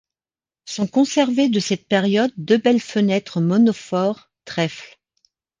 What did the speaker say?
Sont conservés de cette période deux belles fenêtres monofore trèfle.